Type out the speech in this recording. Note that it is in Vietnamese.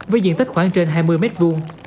với diện tích khoảng trên hai mươi mét vuông